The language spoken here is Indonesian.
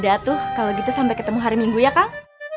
bisa ya ya udah tuh kalau gitu sampai ketemu hari minggu ya kang